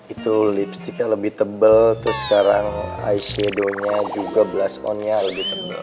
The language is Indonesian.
itu lipsticknya lebih tebel terus sekarang eye shadownya juga blush onnya lebih tebel